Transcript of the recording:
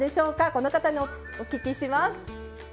この方にお聞きします。